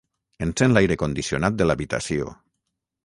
Encén l'aire condicionat de l'habitació.